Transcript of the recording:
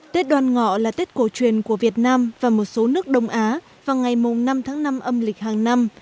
tết đoàn ngọ là tết cổ truyền của việt nam và một số nước đông á vào ngày năm tháng năm âm lịch hàng năm